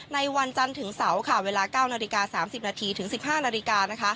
ในวันจันทร์เสาร์เวลา๙๓๐๑๕น